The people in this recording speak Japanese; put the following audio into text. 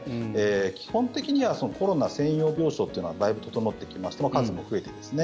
基本的にはコロナ専用病床というのはだいぶ整ってきまして数も増えてですね